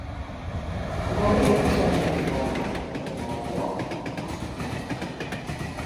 Gorriak izan dira bigarrenak, eta berdeak, azkenak.